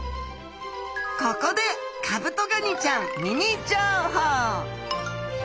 ここでカブトガニちゃんミニ情報！